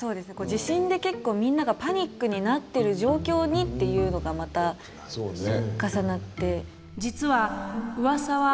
地震で結構みんながパニックになってる状況にっていうのがまた重なって。